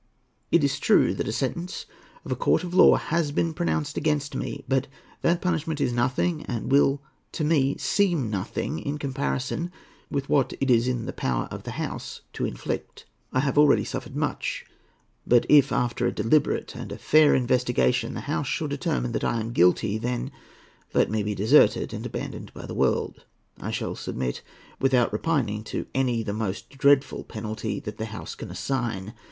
It is true that a sentence of a court of law has been pronounced against me; but that punishment is nothing, and will to me seem nothing, in comparison with what it is in the power of the House to inflict. I have already suffered much; but if after a deliberate and a fair investigation the House shall determine that I am guilty, then let me be deserted and abandoned by the world. I shall submit without repining to any the most dreadful penalty that the House can assign.